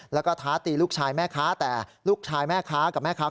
แล้วก็ท้าตีลูกชายแม่ค้าแต่ลูกชายแม่ค้ากับแม่ค้า